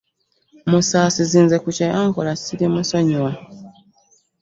Musaasizi nze ku kye yankola ssirimusonyiwa.